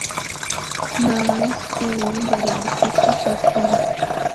Nice Guy, del artista Pat Boone.